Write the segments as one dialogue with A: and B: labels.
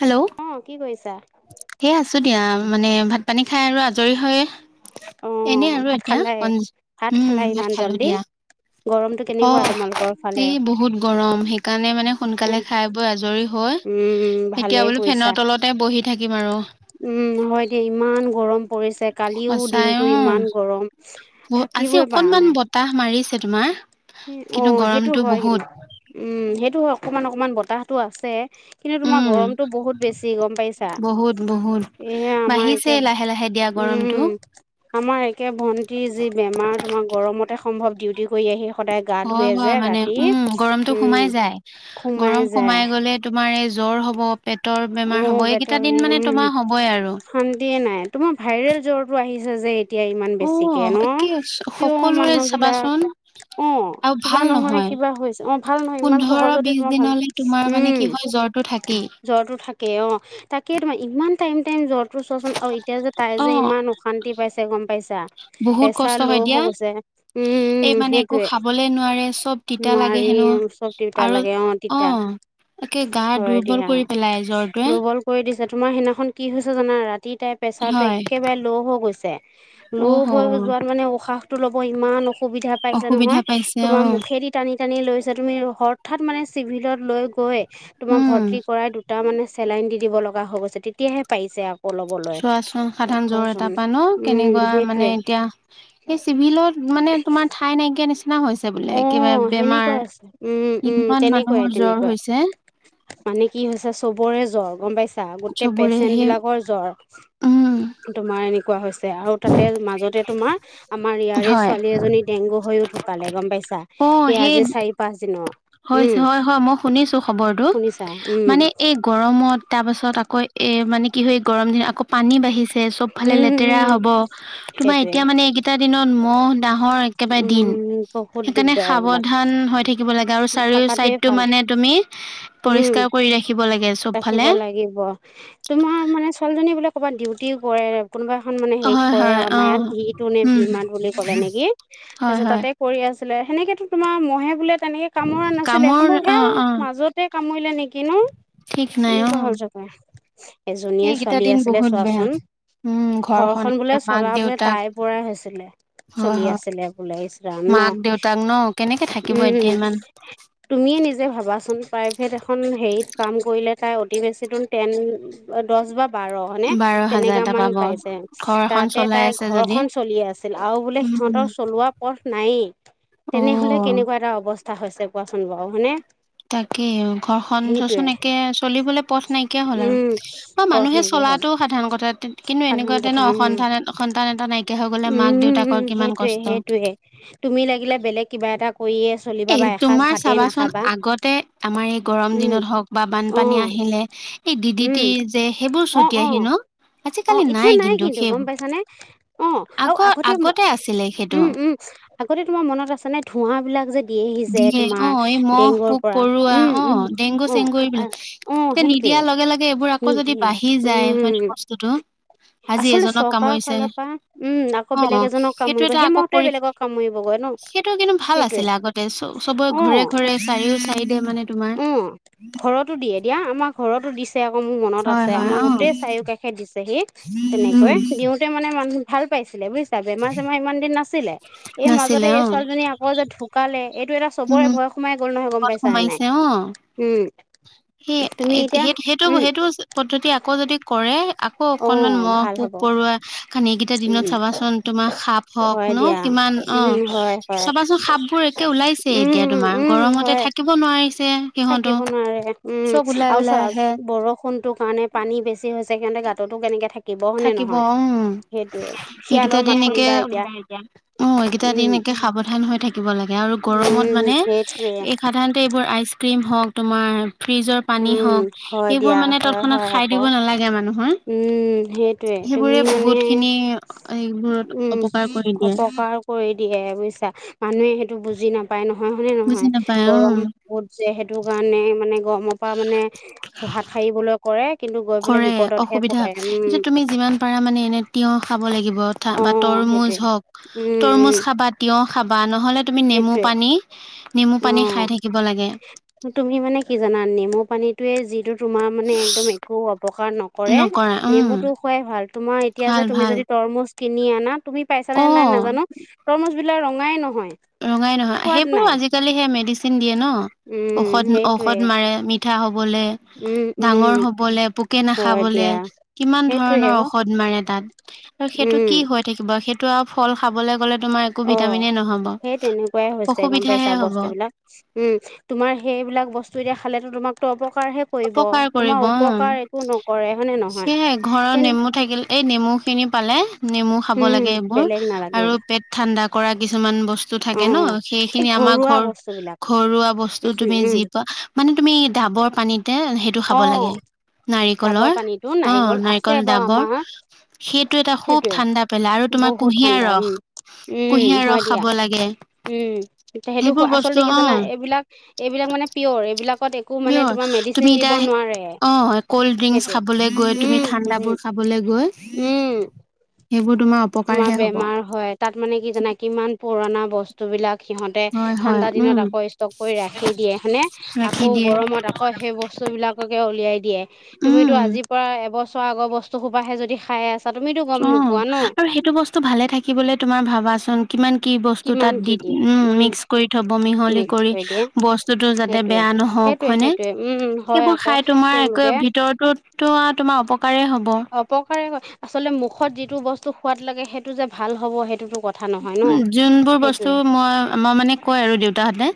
A: Hello?
B: অ', কি কৰিছা?
A: এ আছো দিয়া মানে ভাত-পানী খাই আৰু আজৰি হৈ
B: অ
A: এনে আৰু
B: ভাত
A: এতিয়া
B: খালাই
A: অ',
B: ভাত
A: উম,
B: খালাই
A: ভাত
B: ইমান
A: খালো
B: জল্দি
A: দিয়া।
B: গৰমটো
A: অ',
B: কেনেকুৱা তোমালোকৰ ফালে
A: এই বহুত গৰম সেইকাৰণে, মানে সোনকালে খাই বৈ আজৰি হৈ
B: উম, উম।
A: এতিয়া বোলো ফেনৰ তলতে বহি থাকিম আৰু।
B: উম হয় দে ইমান গৰম পৰিছে কালিও
A: সঁচাই
B: দিনটো
A: অ
B: ইমান গৰম
A: বহু- আজি
B: থাকিবই পৰা
A: অকনমান
B: নাই।
A: বতাহ মাৰিছে তোমাৰ
B: অ
A: কিন্তু
B: সেইটো
A: গৰমটো
B: হয় কিন্তু
A: বহুত।
B: উম সেইটো অকমান অকমান বতাহটো আছে। কিন্তু তোমাৰ
A: উম
B: গৰমটো বহুত বেছি গম পাইছা?
A: বহুত বহুত
B: এয়া আমাৰ
A: বাঢ়িছে
B: কে
A: লাহে
B: [unintelligible]
A: লাহে দিয়া গৰমটো
B: উম। আমাৰ একে ভন্টি যি বেমাৰ তোমাৰ গৰমতে সম্ভৱ ডিউটি কৰি আহি সদায় গা
A: হয়
B: ধুৱে যে
A: হয় মানে
B: ৰাতি
A: উম গৰমটো
B: উম
A: সোমাই যায়, গৰম সোমাই গ'লে তোমাৰ এই জ্বৰ হ'ব, পেটৰ বেমাৰ
B: অ'
A: হ'ব,
B: পেটৰ
A: এইকেইটা দিন
B: বিষ উম
A: মানে তোমাৰ হ'বই আৰু।
B: শান্তিয়ে নাই, তোমাৰ ভাইৰেল জ্বৰটো আহিছে যে এতিয়া ইমান বেছিকে
A: অ',
B: ন।
A: একে
B: কিয়
A: সকলোৰে
B: মানুহ বিলাক
A: চাবাচোন
B: অ
A: আৰু
B: কিবা
A: ভাল
B: নহয় কিবা হৈছে, অ ভাল নহয় ইমান
A: পোন্ধৰ
B: সহজতে তোমাৰ ভাল উম।
A: তো থাকি
B: জ্বৰটো থাকেই অ, তাকে তোমাৰ টাইম-টাইম জ্বৰ টো চোৱাচোন আৰু এতিয়া যে তাই যে
A: অ',
B: ইমান অশান্তি পাইছে গম পাইছা?
A: বহুত কষ্ট
B: প্ৰেছাৰ
A: হয়
B: ল'
A: দিয়া,
B: হৈ গৈছে।
A: এই
B: উম
A: মানে একো
B: সেইটোৱে,
A: খাবলে নোৱাৰে চব তিতা লাগে
B: নোৱাৰি
A: হেনো
B: চব তিউতা
A: আৰু
B: লাগে অ। তিতা।
A: একে গা দুৰ্বল কৰি পেলাই জ্বৰটোৱে।
B: কল কৰি দিছে তোমাৰ সেইদিনাখন কি হৈছে জানা, ৰাতি তাইৰ প্ৰেচাৰটো
A: হয়,
B: একেবাৰে ল' হৈ গৈছে,
A: অ'
B: ল' হৈ
A: হ'
B: যোৱাত মানে উশাহ টো ল'ব ইমান অসুবিধা পাইছে
A: অসুবিধা
B: নহয়
A: পাইছে
B: তোমাৰ
A: অ'।
B: মুখেদি টানি টানি লৈছে, তুমি হঠাৎ মানে চিভিলত লৈ গৈ তোমাৰ
A: উম,
B: ভৰ্তি কৰাই তাৰ মানে চেলাইন দি দিব লগা হৈ গৈছে তেতিয়াহে পাৰিছে আ
A: চোৱাচোন সাধাৰণ জ্বৰ এটাৰ পা ন কেনেকুৱা
B: উম সেইটোৱে
A: মানে এতিয়া সেই চিভিলত মানে তোমাৰ ঠাই নাইকিয়া নিচিনা হৈছে। হৈছে বোলে
B: অ
A: কিবা বেমাৰ,
B: সেনেকুৱা আছে উম উম
A: ইমান
B: তেনেকুৱাই
A: মানুহৰ জ্বৰ
B: তেনেকুৱাই
A: হৈছে।
B: মানে কি হৈছে চবৰে জ্বৰ গম পাইছা, গোটেই
A: চবৰে
B: পেচেণ্ট
A: সেই
B: বিলাকৰ
A: উম
B: জ্বৰ। তোমাৰ এনেকুৱা হৈছে আৰু তাতে মাজতে তোমাৰ আমাৰ ইয়াৰে
A: হয়
B: ছোৱালী এজনী ডেংগু হৈয়ও ঢুকালে গম পাইছা, এই আজি চাৰি পাঁচ দিনৰ।
A: হয়
B: উম
A: হয় হয় মই শুনিছো খবৰটো,
B: শুনিছা উম
A: মানে এই গৰমত তাৰ পাছত আকৌ এ মানে কি হয় গৰম দিনত আকৌ পানী বাঢ়িছে ছে চব ফালে
B: উম
A: লেতেৰা
B: উম
A: হ'ব, তোমাৰ
B: সেইটোৱে
A: এতিয়া মানে এইকেইটা দিনত মহ [unintelligible] একেবাৰে দিন,
B: উম বহুত
A: সেইকাৰণে
B: দিগদাৰ এইবিলাক
A: সাৱধান হৈ থাকিব লগা চাৰিও
B: থকাটোৱে
A: চাইডটো
B: ভাল
A: মানে তুমি
B: উম
A: পৰিষ্কাৰ কৰি ৰাখিব লাগে
B: ৰাখিব
A: চবফালে।
B: লাগিব। তোমাৰ মানে ছোৱালীজনী বোলে ক'বাত ডিউটি কৰে কোনোবা খন মানে হেৰিত
A: হয়
B: কৰে
A: হয়
B: আৰু
A: অ
B: আমাৰ ইয়াত ভি টু নে
A: উম
B: ভী মাত বুলি ক'লে নেকি,
A: হয়
B: তাৰপিছত
A: হয়
B: তাতে কৰি আছিলে, সেনেকেতো তোমাৰ মহে বোলে তেনেকে কামোৰা নাছিলে
A: কামৰ
B: সম্ভৱ
A: অ
B: হে
A: অ
B: মাজতে কামুৰিলে নেকি ন?
A: ঠিক নাই অ
B: এনেকুৱা হ'ল চাগে, এজনীয়ে
A: এইকেইটা
B: ছোৱালী
A: দিন
B: আছিলে
A: বহুত বেয়া
B: চোৱাচোন।
A: উম
B: ঘৰখন বোলে
A: এতিয়া মাক
B: চলা বোলে
A: দেউতাক
B: তাই পৰাই হৈছিলে।
A: হয়
B: চলি
A: হয়
B: আছিলে বোলে ইচ ৰাম ন,
A: মাক দেউতাক ন কেনেকে থাকিব
B: উম।
A: এতিয়া ইমান
B: তুমিয়ে নিজে ভাবাচোন প্ৰাইভেট এখন হেৰিত কাম কৰিলে তাই অতি বেচিনো টেন দহ বা বাৰ হয়নে
A: বাৰ হাজাৰ
B: তেনেকা
A: এটা
B: মান
A: পাব
B: পাইছে,
A: ঘৰ এখন
B: তাতে
A: চলাই
B: তাই
A: আছে
B: ঘৰ
A: যদি
B: খন চলি আছে আৰু বোলে
A: উম
B: সিহঁতৰ চলোৱা পথ নায়েই,
A: অ
B: তেনেহলে কেনেকুৱা এটা অৱস্থা অবস্থা হৈছে কোৱাচোন বাৰু হয়নে?
A: তাকেই ঘৰখন
B: সেইটোৱে
A: চোৱাচোন একে চলিবলে পথ নাইকিয়া হ'ল
B: উম
A: আৰু। বা
B: পথ
A: মানুহে
B: নাইকিয়া হ'ল
A: চলাটো সাধাৰণ কথা, কিন্তু
B: সাধাৰণ
A: এনেকুৱা এতা
B: কথা
A: ন
B: উম
A: সন্তান সন্তান এটা নাইকিয়া হৈ গলে মাক
B: উম
A: দেউতাকৰ কিমান
B: সেইটোৱে
A: কষ্ট।
B: সেইটোৱে তুমি লাগিলে বেলেগ কিবা এটা কৰিয়ে চলিবা
A: এই
B: বা এ
A: তোমাৰ চাবাচোন আগতে আমাৰ এই গৰম
B: উম
A: দিনত হওক বা
B: অ
A: বানপানী আহিলে এ দিদিতি যে সেইবোৰ ছতিয়াইহি ন?
B: অঁ এতিয়া নাই কিন্তু গম পাইছানে অৱ আৰু
A: আগৰ
B: আগতে
A: আছিলে সেইটো
B: উম উম। আগতে তোমাৰ মনত আছে নে ধোঁৱা বিলাক যে দিয়েহি যে।
A: অৱ,
B: তোমাৰ
A: এই মহ
B: ডেংগুৰ
A: পোক
B: পৰা
A: পৰুৱা
B: উম
A: অঁ
B: উম
A: ডেংগু
B: অ
A: চেংগু এইবিলাক
B: অ
A: এতিয়া
B: সেইটোৱে
A: নিদিয়াৰ লগে লগে এইবোৰ আকৌ যদি
B: নিদিয়ে
A: বাঢ়ি যায় হয়তো
B: উম
A: বস্তুতটো। আজি
B: আচলতে
A: এজনক
B: চৰকাৰৰ
A: কামুৰিছে,
B: ফালৰ পৰা উম আকৌ
A: অঁ
B: বেলেগ এজনক
A: সেইটো
B: কামুৰিব
A: এটা
B: সেই
A: আকৌ
B: মতে
A: কৰি,
B: বেলেগক কামুৰিবগৈ ন
A: সেইটো কিন্তু ভাল
B: সেইটোৱে
A: আছিলে আগতে। চবৰে ঘৰে ঘৰে চাৰিও চাইদে মানে তোমাৰ
B: অৱ, ঘৰতো দিয়ে দিয়া আমাক ঘৰতো দিছে আকৌ মোৰ মনত
A: হয়
B: আছে
A: হয়
B: আমাৰ
A: অ
B: গোটেই চাৰও কাষে দিছেহি
A: উম
B: তেনেকৈ দিওতে মানে মানুহ ভাল পাইছিলে বুজ বেমাৰ চেমাৰ ইমান দিন নাছিলে এই
A: নাছিলে
B: মাজতে এই
A: অ
B: ছোৱালীজনী আকৌ যে ধুকালে এইটো এটা
A: উম
B: চবৰে ভয় সোমাই গ'ল নহয় গম
A: কল
B: পাইছা নে নাই,
A: সোমাইছে অ
B: উম।
A: সেই
B: তুমি এতিয়া
A: সেই সেইটো
B: উম
A: সেইটো পদ্ধতি আকৌ যদি কৰে আকৌ
B: অ
A: অকনমান মহ
B: ভাল
A: পোক
B: হ'ব
A: পৰুৱা খান এইকেইটা দিনত
B: উম
A: চাবাচোন তোমাৰ সাপ হওক
B: হয়
A: ন
B: দিয়া
A: কিমান
B: উম
A: অঁ
B: হয় হয়
A: চাবাচোন সাপ বোৰ একে ওলাইছে
B: উম
A: এতিয়া
B: উম
A: তোমাৰ
B: উম
A: গৰমতে থাকি
B: হয়
A: থাকিব নোৱাৰিছে। সিহঁতো
B: থাকিব নোৱাৰে উম
A: চব ওলাই
B: আৰু
A: ওলাই
B: চোৱা
A: আহে
B: বৰষুণটো কাৰণে পানী বেছি হৈছে সেইকাৰণে গাঁততো কেনেকে থাকি
A: থাকিব উম, এইকেইটা
B: শিয়ালৰ মাত
A: দিন একে
B: শুনিবা এতিয়া
A: অৱ এইকেইটা দিন
B: উম
A: একে সাৱধান হৈ থাকিব লাগে আৰু গৰমত
B: উম
A: মানে
B: সেইটোৱে
A: সাধাৰণতে এইবোৰ আইচ ক্ৰীম হওক তোমাৰ ফ্ৰিজৰ পানী
B: উম
A: হওক,
B: হয়
A: এইবোৰ
B: দিয়া
A: মানে
B: হয়
A: তৎক্ষণাত
B: হয়
A: খাই
B: আকৌ
A: দিব নালাগে মানুহৰ।
B: উম। সেইটোয়ে তুমি
A: সেইবোৰে
B: মানে,
A: বহুত খিনি এইবোৰত
B: উম
A: অপকাৰ কৰি দিয়ে
B: অপকাৰ কৰি দিয়ে বুজিছা মানুহে সেইটো বুজি নাপায় নহয় হনে
A: বুজি
B: নহয়
A: নাপায় উম
B: গৰম বহুত যে সেইটো কাৰণে মানে গৰমৰ পৰা মানে হাত সাৰিবলৈ কৰে কিন্তু গৈ পেলাই
A: কৰে
B: বিপদতহে
A: অসুবিধা,
B: পৰে উম
A: তুমি যিমান পাৰা মানে এনে তিয়হ খাব লাগিব অথা
B: অ
A: তৰমুজ
B: সেইটোৱে
A: হওক
B: উম
A: তৰমুজ
B: উম
A: খাবা তিয়হ খাবা, নহ'লে তুমি নেমু পানী নেমু পানী খাই থাকিব লাগে
B: অঁৱ তুমি মানে কি জানা নেমু পানীটোয়ে যিটো তোমাৰ মানে একদম একো অপকাৰ ন কৰে
A: নকৰা উম
B: নেমুতো খোৱাই ভাল তোমাৰ এতিয়া
A: ভাল
B: যে তুমি
A: ভাল
B: যদি তৰমুজ কিনি আনা তুমি পাইছানে নাই
A: অ
B: নাজানো তৰমুজ বিলাক ৰঙাই নহয়।
A: ৰঙাই নহয়,
B: সোৱাদ
A: সেইবোৰো
B: নাই
A: আজিকালি সেই মেডিচিন দিয়ে ন
B: উম
A: ঔষধ
B: সেইটোৱে
A: ঔষধ মাৰে ম মিঠা হ'বলে।
B: উম
A: ডাঙৰ
B: উম
A: হ'বলে পোকে
B: হয়
A: নাখাবলে
B: দিয়া
A: কিমান
B: সেইটোৱে
A: ধৰণৰ
B: অ
A: ঔষধ মাৰে তাত। আৰু সেইটো
B: উম
A: কি হৈ থাকিব সেইটো আৰু ফল খাবলে গ'লে তোমাৰ একো
B: অ
A: ভিটামিনে নহব।
B: সেই তেনেকুৱাই হৈছে গম পাইচা
A: অসুবিধাহে হব
B: বস্তু বিলাক। উম তোমাৰ সেইবিলাক বস্তু এতিয়া খালেতো তোমাকতো অপকাৰহে কৰিব
A: উপকাৰ
B: তোমাৰ
A: কৰিব অ'
B: উপকাৰ একো নকৰে হয়নে নহয়
A: সেয়ে ঘৰৰ
B: তেনে
A: নেমু থাকিল এই নেমু খিনি পালে নেমু খাব
B: উম
A: লাগে এইবোৰ
B: বেলেগ নালাগে
A: আৰু পেট ঠাণ্ডা কৰা কিছুমান বচ তু থাকে ন,
B: উম, এই
A: সেইখিনি আমাৰ
B: ঘৰুৱা বস্তু বিলাক
A: ঘৰ-ঘৰুৱা বস্তু
B: উম,
A: তুমি
B: উম,
A: যি পোৱা মানে তুমি ধাবৰ পানীতে সে টো খাব লাগে
B: অ', ডাবৰ
A: নাৰিকলৰ
B: পানীতো
A: অ'
B: আছে
A: নাৰিকল
B: বাৰু
A: ডাবৰ
B: আমাৰ
A: সেইটো এটা খুব
B: সেইটোৱে
A: ঠাণ্ডা পেলাই আৰু তোমাৰ
B: বহুত
A: কুঁহিয়াৰ
B: ঠাণ্ডা উম,
A: ৰস
B: উম,
A: কুঁহিয়াৰ
B: হয়
A: ৰস
B: দিয়া
A: খাব লাগে।
B: উম, তে সেইটো
A: সেইবোৰ বস্তু
B: আচলতে কি
A: অ
B: জানা এইবিলাক, এইবিলাক মানে পিয়ৰ এইবিলাকত এক একো মানে
A: পিয়ৰ
B: তোমাৰ মেডিচিন
A: তুমি
B: দিব
A: এতিয়া
B: নোৱাৰে
A: অ কল্ড ড্ৰিংকচ
B: সেইটোৱে
A: খাবলৈ গৈ তুমি
B: উম, হু, হু।
A: ঠাণ্ডাবোৰ খাবলৈ গৈ
B: উম,
A: সেইবোৰ তোমাৰ
B: তোমাৰ
A: অপকাৰহে হ'ব
B: বেমাৰ হয় তাত মানে কি জানা কিমান পুৰণা বচ তো বলাক সিহঁতে
A: হয় হয়
B: ঠাণ্ডা
A: উম
B: দিনত আকৌ ষ্টক কৰি ৰাখি দিয়ে হয়নে
A: ৰাখি
B: আকৌ
A: দিয়ে
B: গৰমত আকৌ ক সেই বস্তু বিলাককে উলিয়াই দিয়ে
A: উম
B: তুমিতো আজি পৰা এবছৰ আগৰ বস্তু সোপাহে যদি খাই আছ
A: অ' আৰু সেইটো বস্তু ভালে থাকিবলৈ তোমাৰ ভাবাচোন কিমান কি বস্তু তাত
B: কিমান কি
A: দি
B: দিয়ে
A: উম, মিক্স কৰি থ'ব মিহলি
B: মিক্স
A: কৰি
B: দিয়ে
A: বচ টোতু যাতে
B: সেইটোৱে
A: বেয়া নহওক
B: সেইটোৱে
A: হয়নে,
B: সেইটোৱে উম হয়
A: সেইবোৰ
B: আকৌ
A: খাই তোমাৰ একে
B: তেওঁলোকে
A: ভিতৰটোত তো আ, তোমাৰ অপকাৰে হ'ব।
B: উপকাৰে হয় আচলতে মুখত যিটো বস্তু সোৱাদ লাগে সেইটো যে ভাল হ'ব সেইটোতো কথ
A: উম, যোনবোৰ বস্তু মই-মই মানে কয় আৰু দেউতাহঁতে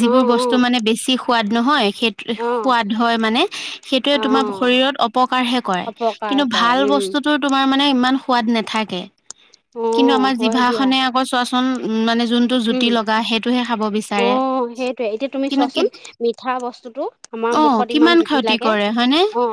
B: অ
A: বস্তু মানে বেছি সোৱাদ নহয় সেই
B: অ
A: সোৱাদ হয় মানে সেইটোয়ে
B: অ
A: তোমাৰ
B: অ
A: শৰীৰত অপকাৰহে কৰে
B: অপকাৰ
A: কিন্তু
B: কৰে
A: ভাল
B: উম
A: বস্তুতো তোমাৰ মানে ইমান সোৱাদ নেথাকে
B: অ
A: কিন্তু আমাৰ
B: হয়
A: জিভা
B: দিয়া
A: [unintelligible] চোৱাচোন উম, মানে যোন
B: উম, অ' সেইটোৱে এতিয়া তুমি
A: কিন্তু
B: চোৱাচোন
A: কেত-
B: মিঠা বস্তুটো আমাৰ
A: অ
B: মুখত ইমান
A: কিমান
B: জুতি
A: ক্ষতি
B: লাগে
A: কৰে হয়নে
B: অ'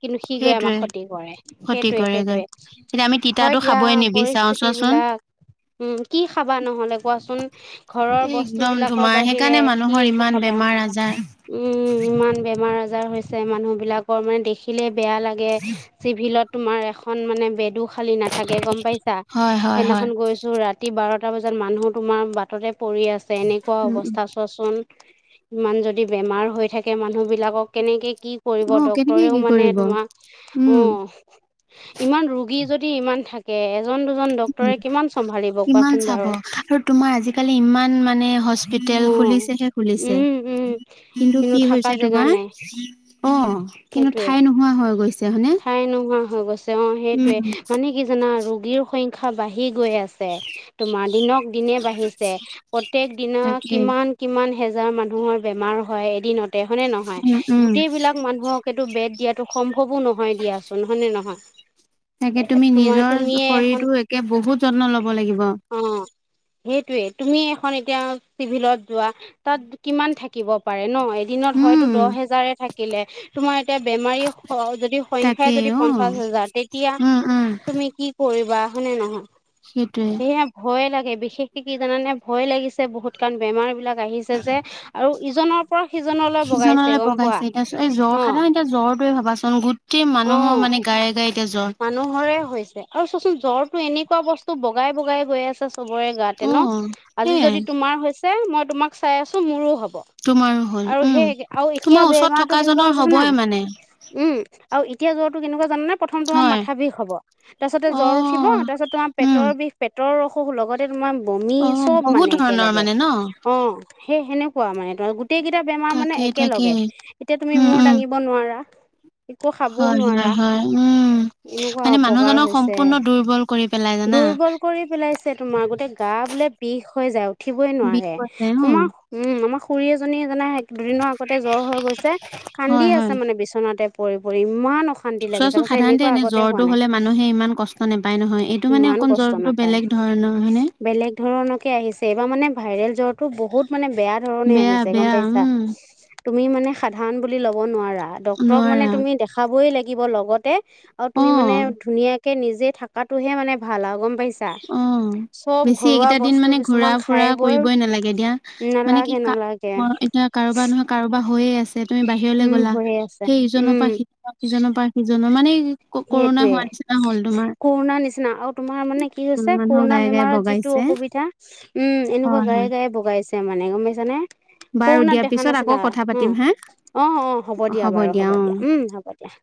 B: কিন্তু সি গৈ আমাক
A: সেইটোৱে
B: ক্ষতি কৰে।
A: ক্ষতি
B: সেইটোৱে,
A: কৰেগৈ।
B: সেইটোৱে
A: এতিয়া আমি
B: হয়
A: তিতাটো
B: দিয়া
A: খাবই নিবিচাৰো
B: পৰিস্থিতি
A: চোৱাচোন।
B: বিলাক উম, কি খাবা নহ'লে কোৱা কুৱাচোন ঘৰৰ
A: এই একদম
B: বস্তুবিলাকৰ
A: তোমাৰ
B: বাহিৰে
A: সেইকাৰণে
B: কি
A: মানুহৰ
B: একো
A: ইমান
B: খাবা?
A: বেমাৰ আজাৰ
B: উম, ইমান বেমাৰ-আজাৰ হৈছে মানুহ বিলাকৰ মানে দেখিলে বেয়া লাগে। চিভিলত তোমাৰ এখন মানে বেডো খালী নাথাকে গম পাইছা
A: হয় হয় হয়।
B: সেইদিনাখন গৈছো ৰাত ৰাতি বাৰটা বজাত মানুহ তোমাৰ বাটতে পৰি আছে এনেকুৱা
A: উম
B: অৱস্থা চোৱাচোন ইমান যদি বেমাৰ হৈ থাকে মানুহ বিলাকক কেনেকে কি কৰিব
A: উম অ কেনেকে
B: ডক্টৰেও
A: কি
B: মানে
A: কৰিব
B: তোমাৰ
A: উম।
B: অ' ইমান ৰোগী যদি ইমান থাকে এজন, দুজন
A: উম,
B: ডক্টৰে কিমান চম্ভালিব
A: কিমান
B: কোৱাচোন
A: চাব
B: বাৰু?
A: আৰু তোমাৰ আজিকালি ইমান মানে হছ পিতেল
B: অ',
A: খুলিছেহে খুলিছে
B: উম, উম,
A: কিন্তু কি
B: থাকা
A: হৈছে
B: জেগা
A: তোমাৰ
B: নাই
A: অ'কিন্তু
B: সেইটোৱে।
A: ঠাই নোহোৱা হৈ গৈছে হয়নে?
B: ঠাই নোহোৱা হৈ গৈছে অ' সেইটোৱে,
A: উম
B: মানে কি জানা ৰোগীৰ সংখ্যা বাঢ়ি গৈ আছ ছে তোমাৰ দিনক দিনে বাঢ়িছে প্ৰত্যেক দিনা
A: তাকেই।
B: কিমান কিমান হেজাৰ মানুহৰ বেমাৰ হয় এদিনতে হয়নে নহয়,
A: উম, উম,
B: গোটেই বিলাক মানুহক সেইটো বেট দিয়াটো সম্ভৱো নহয় দিয়াচোন হয়নে, নহয়?
A: তাকে তুমি
B: তোমাৰ
A: নিজৰ
B: তুমিয়ে এখন
A: শৰীৰটো একে বহুত যত্ন ল'ব লাগিব।
B: অ সেইটোয়ে তুমি এখন এতিয়া চিভিলত যোৱা তাত কিমান থাকিব পাৰে ন' এদিনত হয়তো
A: উম,
B: দহ হেজাৰে থাকিলে। তোমাৰ এতিয়া বেমাৰীৰ, যদি
A: তাকে
B: সংখ্যাই যদি
A: অ',
B: পঞ্চাশ হাজাৰ, তেতিয়া
A: উম, উম,
B: তুমি মি কি কৰিবা হয়নে, নহয়?
A: সেইটোৱে।
B: সেইহে ভয়ে লাগে বিশেষকে কি জানে নে, ভয় লাগিছে বহুত কাৰণ বেমাৰ বিলাক আহিছে ছেযে আৰু ইজনৰ পৰা সিজনলৈ বগাইছে গম পোৱা?
A: তাৰপিছত, এই জ্বৰ
B: অ
A: সাধাৰণ এতিয়া জ্বৰটোৱে ভাবাচোন গোটেই মানুহৰ
B: অ
A: মানে গায়ে, গায়ে এতিয়া জ্বৰ।
B: মানুহৰে হৈছে আৰু চোৱাচোন জ্বৰতো এনেকুৱা বস্তু বগাই বগাই গৈ আছে চোন। চবৰে গাতে ন,
A: অ',
B: আজি
A: সেইয়াই
B: যদি তোমাৰ হৈছে মই তোমাক চাই আছো মোৰো হ'ব।
A: তোমাৰো হ'ল
B: আৰু
A: উম।
B: সেই একে, আৰু এতিয়া
A: তোমাৰ ওচৰত থকা
B: বেমাৰটো কেনেকৈ
A: জনৰ
B: হৈছে জনা?
A: হ'বই মানে
B: উম, আৰু এতিয়া জ্বৰটো কেনেকুৱা জানা নে, প্ৰথম প্ৰথম তোমাৰ
A: হয়
B: মাথা বিষ হ'ব। তাৰ পিছতে জ্বৰ উঠিব, তাৰ
A: অ',
B: পিছত তোমাৰ
A: উম।
B: পেটৰ বিষ, পেটৰ ৰস সো, লগতে তোমাৰ বমি
A: অ',
B: চব
A: বহুত
B: মানে
A: ধৰণৰ
B: একেলগে,
A: মানে ন
B: অ', সেই সেনেকুৱা মানে তোমাৰ গোট গোটেইকেইটা বেমাৰ মানে
A: তাকে তাকে
B: একেলগে, এতিয়া তুমি
A: উম,
B: মূৰ
A: উম।
B: দাঙিব নোৱাৰা। একো খাবও
A: হয়, হয়,
B: নোৱাৰা।
A: হয়, উম।
B: এনেকুৱা
A: মানে
B: অপকাৰ
A: মানুহজনক
B: হৈছে,
A: সম্পূৰ্ণ দুৰ্বল কৰি পেলাই জানা।
B: দুৰ্বল কৰি পেলাইছে তোমাৰ গোতেই গা বিলাক বিষ হৈ যায়, উঠিবই
A: বিষ
B: নোৱাৰে,
A: আছে অ
B: তোমাৰ উম আমাৰ খুৰী এজনী জানে, দুদিনৰ আগতে জ্বৰ হৈ গৈছে কান্দি
A: হয় হয়
B: আছে মানে বিচনাতে পৰি, পৰি ইমান অশান্তি লাগিছে।
A: ত'
B: কৈছে
A: সাধাৰণতে
B: এনেকুৱা
A: এনে
B: আগতে হোৱা
A: জ্বৰটো
B: নাই
A: হ'লে মানুহে ইমান কষ্ট নাপায় নহয়, এইটো মানে
B: ইমান
A: অকণ
B: কষ্ট
A: জ্বৰটো
B: নাপায়
A: বেলেগ ধৰণৰ হয়নে?
B: বেলেগ ধৰণকে আহিছে। এইবাৰ মানে ভাইৰেল জ্বৰটো বহুত মানে বেয়া ধৰণে
A: বেয়া
B: আহিছে, গম
A: বেয়া
B: পাইছা।
A: উম
B: তুমি মানে সাধাৰণ বুলি ল'ব নোৱাৰা, ডাক্তৰক মানে
A: নোৱাৰা
B: তুমি দেখাবই লাগিব লগত আৰু
A: অ
B: তুমি মানে ধুনীয়াকে নিজে থকাটোহে মানে ভাল আৰু গম পাইছা?
A: অ',
B: চব
A: বেছি
B: ঘৰুৱা
A: এইকেইটা দিন
B: বস্তু
A: মানে ঘূৰা
B: কিছুমান
A: ফুৰা
B: খাই বৈ
A: কৰিবই নালাগে দিয়া, মানে কি
B: নালাগে
A: কাৰ
B: নালাগে
A: বাৰ, এতিয়া কাৰোবাৰ নহয় কাৰোবাৰ হৈয়ে আছে তুমি বাহিৰলৈ
B: উম
A: গ'লা,
B: হৈয়ে আছে
A: সেই ইজনৰ
B: উম
A: পৰা সিজন, সিজনৰ পৰা সিজনৰ মানে এই ক-কৰুণা হোৱা নিচিনা হ'ল, তোমাৰ।
B: কৰুণাৰ নিচনা আৰু তোমাৰ মানে কি
A: উম
B: হৈছে
A: মানুহৰ
B: কৰুণা
A: গায়ে গায়ে
B: বেমাৰত যিটো
A: বগাইছে
B: অসুবিধা, উম, এনেকুৱা
A: হয়
B: গায়ে,
A: হয়
B: গায়ে বগাইছ ছে মানে গম পাইছনে?
A: বাৰু দিয়া
B: কৰুণাত দেখা
A: পিছত আকৌ
B: নাছিলা?
A: কথা
B: উম
A: পাতিম হা
B: অ', অ', হ'ব দিয়া বাৰু, হ'ব দিয়া উম, হ'ব। দিয়া।